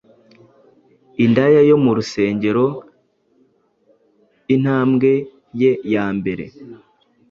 indaya yo mu rusengerointambwe ye ya mbere